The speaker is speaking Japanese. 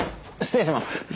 失礼します。